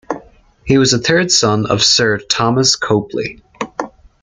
He was the third son of Sir Thomas Copley.